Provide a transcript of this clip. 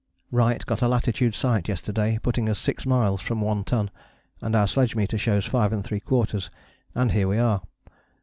_ Wright got a latitude sight yesterday putting us six miles from One Ton, and our sledge meter shows 5¾, and here we are.